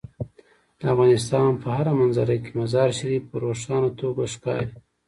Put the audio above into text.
د افغانستان په هره منظره کې مزارشریف په روښانه توګه ښکاري.